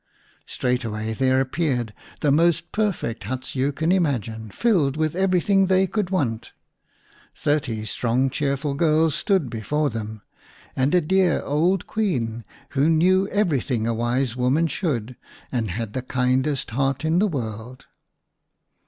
Straightway there appeared the most perfect huts you can imagine, filled with everything they could want. Thirty strong cheerful girls stood before them, and a dear old Queen, who knew everything a wise woman should, and had the kindest heart in the world.